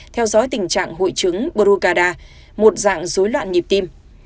theo dõi tình trạng hội chứng burucada một dạng dối loạn nhịp tim